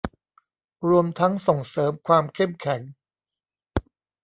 รวมทั้งส่งเสริมความเข้มแข็ง